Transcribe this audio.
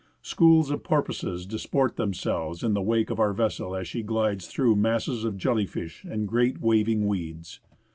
Schools of porpoises disport themselves in the JUNEAU BAY. wake of our vessel as she glides through masses of jelly fish and great waving weeds.